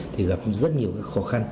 thì gặp rất nhiều khó khăn